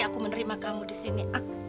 aku menerima kamu disini